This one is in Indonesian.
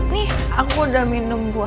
tidak ada apa apa